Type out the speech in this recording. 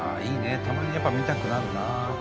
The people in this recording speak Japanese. たまにやっぱ見たくなるなあ。